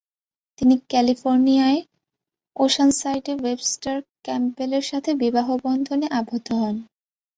তিনি ক্যালিফোর্নিয়ার ওশানসাইডে ওয়েবস্টার ক্যাম্পবেলের সাথে বিবাহবন্ধনে আবদ্ধ হন।